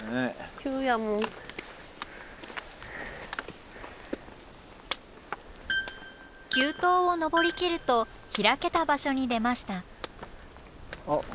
急登を登りきると開けた場所に出ました。